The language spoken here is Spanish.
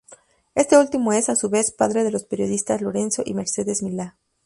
Este último es, a su vez, padre de los periodistas Lorenzo y Mercedes Milá.